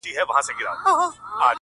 خير سجده به وکړم تاته، خير دی ستا به سم